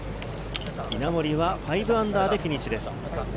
稲森は−５でフィニッシュです。